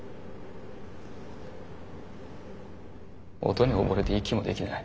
音に溺れて息もできない。